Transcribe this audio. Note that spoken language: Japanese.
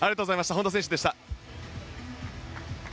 本多選手でした。